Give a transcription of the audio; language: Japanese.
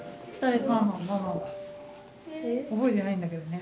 覚えてないんだけどね。